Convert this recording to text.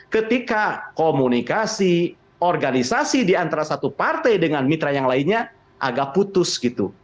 ketika komunikasi organisasi di antara satu partai dengan mitra yang lainnya agak putus gitu